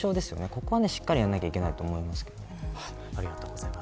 そこをしっかりやらなければいけないと思います。